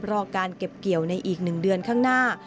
รอการเก็บเกี่ยวในอีก๑เดือนข้างหน้า